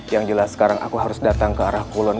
yang jelas sekarang aku harus datang ke arah kulon